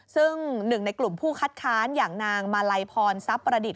ซึ่งหนึ่งในกลุ่มผู้คัดค้านอย่างนางมาลัยพรทรัพย์ประดิษฐ